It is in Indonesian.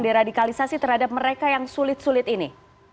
deradikalisasi terhadap mereka yang sulit sulit ini